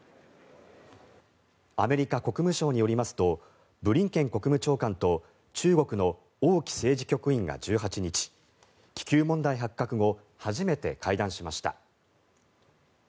アメリカ国務省によりますとブリンケン国務長官と中国の王毅政治局員が１８日気球問題発覚後初めて会談しました。